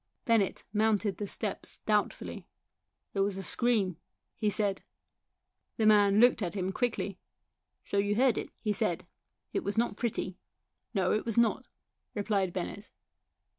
Bennett mounted the steps doubtfully. "There was a scream," he said. The man looked at him quickly. " So you heard it," he said. " It was not pretty." 14 194 THE SOUL OF A POLICEMAN " No, it was not," replied Bennett.